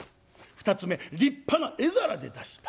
２つ目立派な絵皿で出した。